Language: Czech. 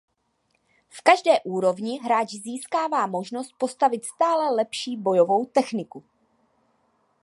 V každé úrovni hráč získává možnost postavit stále lepší bojovou techniku.